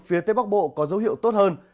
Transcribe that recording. phía tây bắc bộ có dấu hiệu tốt hơn